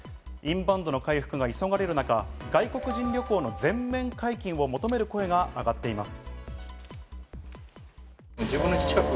インバウンドの回復が急がれる中、外国人旅行の全面解禁を求める声が上がっています。